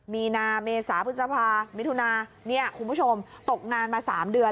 มีนาเมษาพฤษภามิถุนาเนี่ยคุณผู้ชมตกงานมา๓เดือน